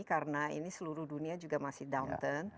karena ini seluruh dunia juga masih downturn